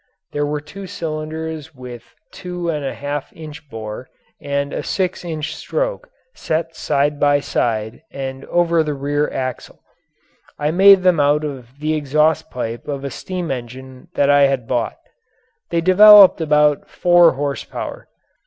There were two cylinders with a two and a half inch bore and a six inch stroke set side by side and over the rear axle. I made them out of the exhaust pipe of a steam engine that I had bought. They developed about four horsepower.